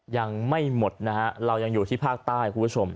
ยังไม่หมดนะฮะเรายังอยู่ที่ภาคใต้คุณผู้ชม